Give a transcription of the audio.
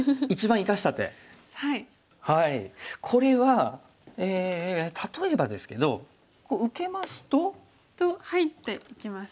これは例えばですけどこう受けますと。と入っていきます。